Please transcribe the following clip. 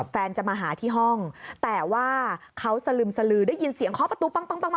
แฟนจะมาหาที่ห้องแต่ว่าเขาสลึมได้ยินเสียงคอประตู